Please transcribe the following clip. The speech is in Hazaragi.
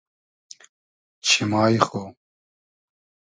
چیمای خو